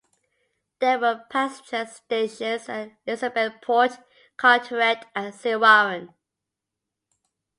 There were passenger stations at Elizabethport, Carteret, and Sewaren.